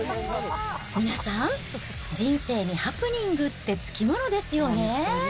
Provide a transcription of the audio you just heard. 皆さん、人生にハプニングって付き物ですよね。